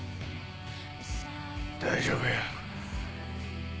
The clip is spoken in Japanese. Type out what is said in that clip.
大丈夫や。